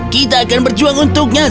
kita akan berjuang untuk nyatanya